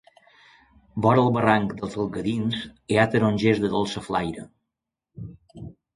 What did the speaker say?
Vora el barranc dels Algadins, hi ha tarongers de dolça flaire.